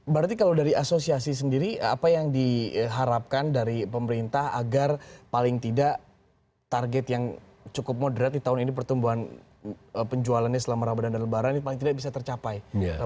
berarti kalau dari asosiasi sendiri apa yang diharapkan dari pemerintah agar paling tidak target yang cukup moderat di tahun ini pertumbuhan penjualannya selama ramadan dan lebaran ini paling tidak bisa tercapai